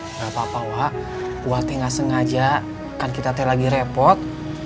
enggak papa wak gua teh gak sengaja kan kita teh lagi repot